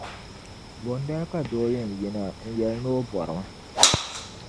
Bondali ka doo yɛn yina n-yɛli ni o bɔrima.